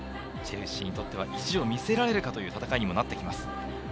チェルシーにとっては意地を見せられるかという戦いにもなってきます。